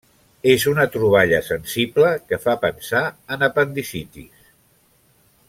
És una troballa sensible que fa pensar en apendicitis.